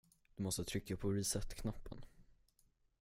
Du måste trycka på resetknappen.